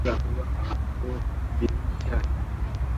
Ntabwo nshobora kuba ahantu habiri icyarimwe